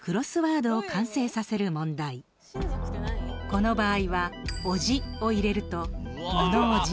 この場合は「おじ」を入れると「ものおじ」